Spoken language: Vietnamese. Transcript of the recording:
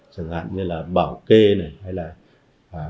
chẳng hạn như là bảo kê này hay là